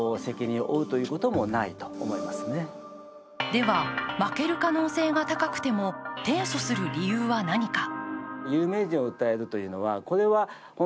では負ける可能性が高くても提訴する理由は何か。